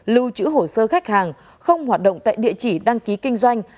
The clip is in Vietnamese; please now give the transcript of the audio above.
lưu chữ hồ sơ khách hàng không hoạt động tại địa chỉ đăng ký kinh doanh